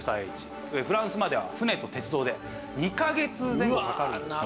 フランスまでは船と鉄道で２カ月前後かかるんですよ。